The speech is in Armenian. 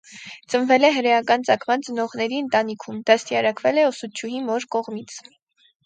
Ծնվել է հրեական ծագման ծնողների ընտանիքում, դաստիարակվել է ուսուցչուհի մոր կողմից։